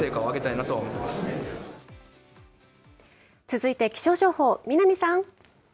続いて気象情報、南さん。